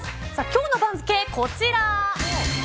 今日の番付はこちら。